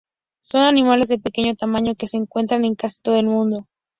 Son animales de pequeño tamaño que se encuentran en casi todo el mundo.